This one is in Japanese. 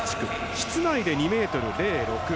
室内で２ｍ０６。